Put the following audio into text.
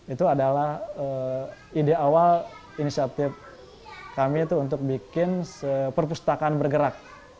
itu adalah ide awal inisiatif kami itu untuk bikin perpustakaan bergerak